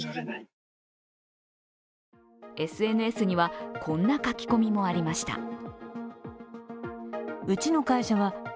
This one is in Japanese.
ＳＮＳには、こんな書き込みもありました。